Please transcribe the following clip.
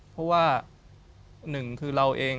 เพราะว่าหนึ่งคือเราเอง